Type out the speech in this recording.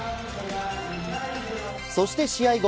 そして試合後